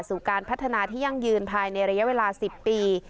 สู่การพัฒนาที่ยั่งยืนภายในระยะเวลา๑๐ปี